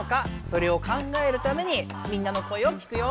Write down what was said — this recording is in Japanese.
それを考えるためにみんなの声を聞くよ。